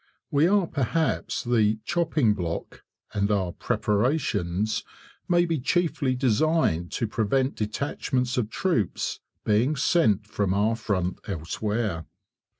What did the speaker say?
We are perhaps the "chopping block", and our "preparations" may be chiefly designed to prevent detachments of troops being sent from our front elsewhere.